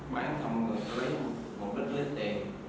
bán xong tôi lấy một ít ít tiền